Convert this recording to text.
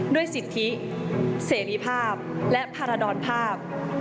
ด้วยสิทธิเสรีภาพและพารดรภาพ